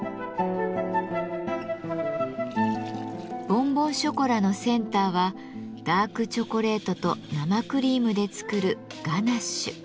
ボンボンショコラのセンターはダークチョコレートと生クリームで作る「ガナッシュ」。